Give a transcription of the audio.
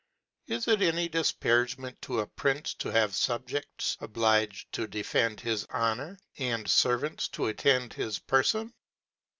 Is it any difparagement to a Prince to have Subjeds obliged to de fend his Honour, and Servants to attend his Perfon